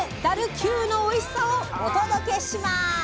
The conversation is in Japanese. ダル級のおいしさをお届けします！